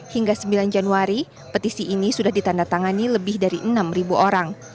hingga sembilan januari petisi ini sudah ditandatangani lebih dari enam orang